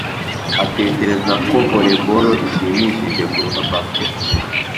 atekereza ko volleyball ishimishije kuruta basketball